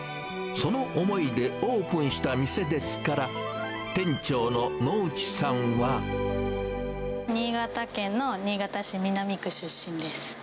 その思いでオープンした店ですから、新潟県の新潟市南区出身です。